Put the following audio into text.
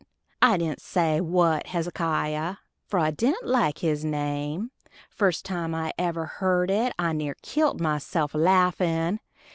I dident say, "What, Hezekier?" for I dident like his name. The first time I ever heard it I near killed myself a laffin.